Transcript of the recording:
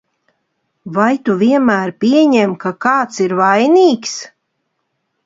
Vai tu vienmēr pieņem, ka kāds ir vainīgs?